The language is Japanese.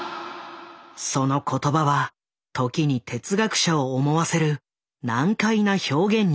その言葉は時に哲学者を思わせる難解な表現に満ちていた。